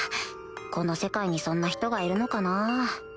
この世界にそんな人がいるのかな？